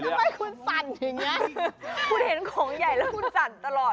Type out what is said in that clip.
ทำหมู่บ้านเออ